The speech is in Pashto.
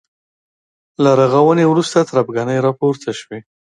له رغاونې وروسته تربګنۍ راپورته شوې.